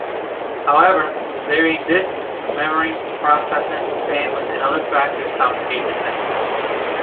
However, varying disk, memory, processor, bandwidth and other factors complicate this estimate.